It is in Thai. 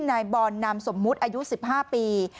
นายบอลนามสมมุติอายุ๑๕ปี